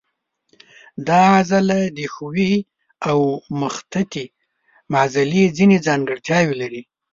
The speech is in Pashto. دا عضله د ښویې او مخططې عضلې ځینې ځانګړتیاوې لري.